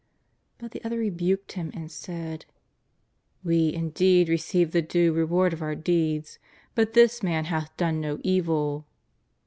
But the other rebuked him and said :" We, indeed, receive the due reward of our deeds, but this Man hath done no evil."